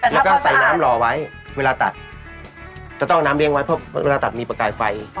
แล้วก็ใส่น้ำรอไว้เวลาตัดจะต้องเอาน้ำเลี้ยงไว้เพราะเวลาตัดมีประกายไฟ